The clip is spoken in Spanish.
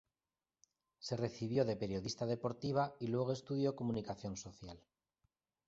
Se recibió de periodista deportiva y luego estudió Comunicación Social.